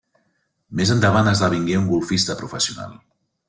Més endavant esdevingué un golfista professional.